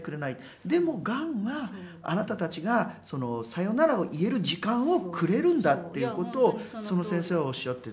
でもがんはあなたたちがさようならを言える時間をくれるんだ」っていうことをその先生はおっしゃってて。